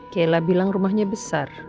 kayla bilang rumahnya besar